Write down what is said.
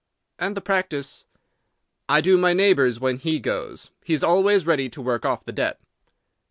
"And the practice?" "I do my neighbour's when he goes. He is always ready to work off the debt."